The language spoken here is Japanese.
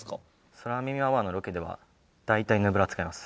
空耳アワーのロケでは大体ヌーブラ使います。